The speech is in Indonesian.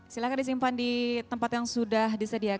silakan disimpan di tempat yang sudah disediakan pak